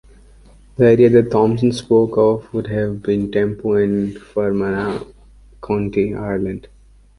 The area that Thompson spoke of would have been Tempo in Fermanagh County, Ireland.